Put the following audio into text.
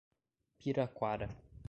Piraquara